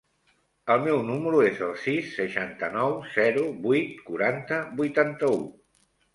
El meu número es el sis, seixanta-nou, zero, vuit, quaranta, vuitanta-u.